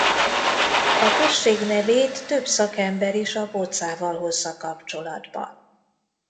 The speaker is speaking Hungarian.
A község nevét több szakember is a bodzával hozza kapcsolatba.